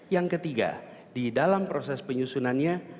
yang ketiga di dalam proses penyusunannya